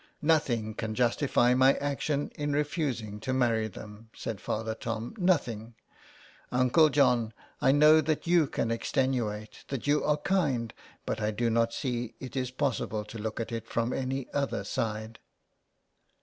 " Nothing can justify my action in refusing to marry them," said Father Tom, ''nothing. Uncle John, I know that you can extenuate, that you are 57 SOME PARISHIONERS. kind, but I do not see it is possible to look at it from any other side."